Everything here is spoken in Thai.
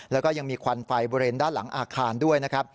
แล้วก็ยังมีควันไฟบริเวณด้านหลังอาคารด้วยนะครับ